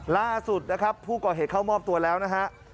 ล่าสุดนะครับผู้ก่อเหตุเข้ามอบตัวแล้วนะฮะ